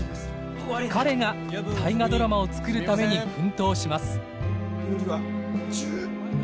彼が「大河ドラマ」を作るために奮闘します。